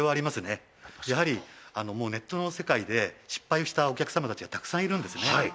やはりもうネットの世界で失敗をしたお客様たちがたくさんいるんですね